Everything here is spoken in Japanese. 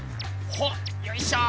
ほっよいしょ。